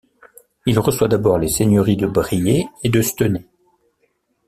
Il reçoit d'abord les seigneuries de Briey et de Stenay.